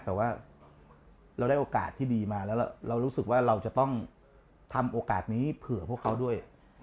แต่ว่าเราได้โอกาสที่ดีมาแล้วเรารู้สึกว่าเราจะต้องทำโอกาสนี้เผื่อพวกเขาด้วย